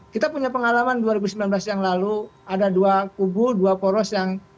kita punya pengalaman dua ribu sembilan belas yang lalu ada dua kubu dua poros yang